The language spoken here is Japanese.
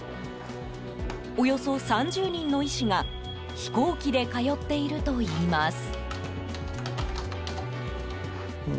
およそ３０人の医師が飛行機で通っているといいます。